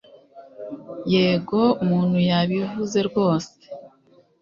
Yego umuntu yabivuze rwose